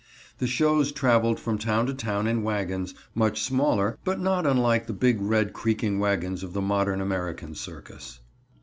The shows traveled from town to town in wagons, much smaller but not unlike the big red creaking wagons of the modern American circus.